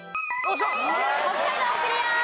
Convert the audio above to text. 北海道クリア。